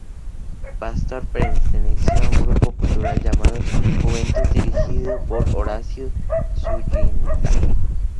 Pastor perteneció a un grupo cultural llamado Juventud, dirigido por Horacio Zúñiga.